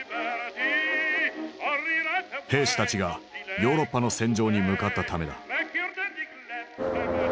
兵士たちがヨーロッパの戦場に向かったためだ。